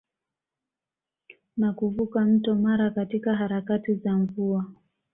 Na kuvuka mto Mara katika harakati za mvua